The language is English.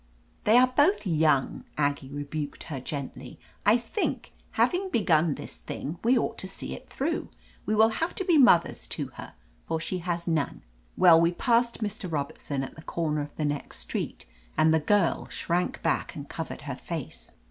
"They are both young," Aggie rebuked her gently. "I think, having begun this thing, we ought to see it through. We will have to be mothers to her, for she has none." Well, we passed Mr. Robertson at the comer of the next street, and the girl shrank back and covered her face.